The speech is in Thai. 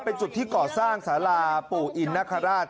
เป็นจุดที่ก่อสร้างสาราปู่อินนคราช